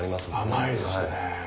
甘いですね。